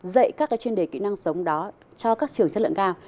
dạy các chuyên đề kỹ năng sống đó cho các trường chất lượng cao